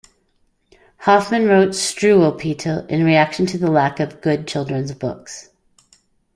Hoffmann wrote "Struwwelpeter" in reaction to the lack of good children's books.